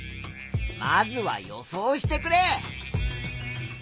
まずは予想してくれ。